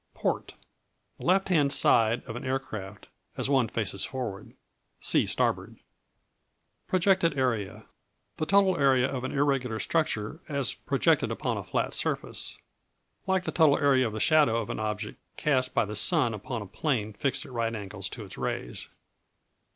Port The left hand side of an aircraft, as one faces forward. See Starboard. Projected Area The total area of an irregular structure as projected upon a flat surface; like the total area of the shadow of an object cast by the sun upon a plane fixed at right angles to its rays.